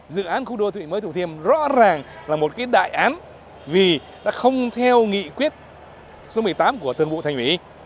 dự án khu đô thị mới thủ thiêm rõ ràng là một đại án vì đã không theo nghị quyết số một mươi tám của thường vụ thành ủy